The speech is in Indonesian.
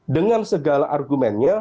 dengan segala argumennya